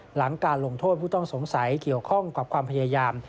หลังการลงโทษผู้ต้องสงสัยเกี่ยวข้องกับความพยายาม